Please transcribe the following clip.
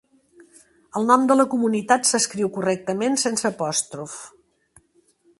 El nom de la comunitat s'escriu correctament sense apòstrof.